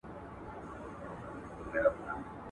انسان ته خبره، خره ته لرگى.